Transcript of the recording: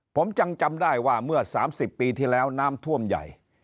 ผมจำได้ว่าเมื่อ๓๐ปีที่แล้วน้ำท่วมใหญ่